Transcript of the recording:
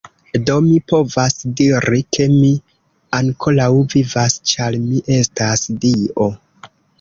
Do mi povas diri, ke mi ankoraŭ vivas, ĉar mi estas dio.